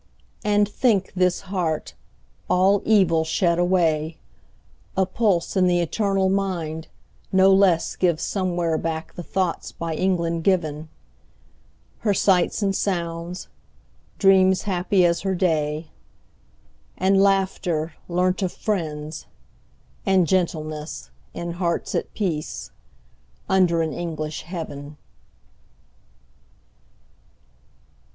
And think, this heart, all evil shed away, A pulse in the eternal mind, no less Gives somewhere back the thoughts by England given; Her sights and sounds; dreams happy as her day; And laughter, learnt of friends; and gentleness, In hearts at peace, under an English heaven.